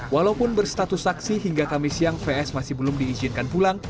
walaupun berstatus saksi hingga kamis siang vs masih belum diizinkan pulang